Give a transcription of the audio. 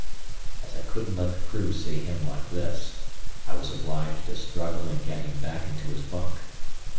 As I couldn't let the crew see him like this, I was obliged to struggle and get him back into his bunk.